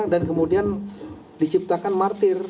dan kemudian diciptakan martir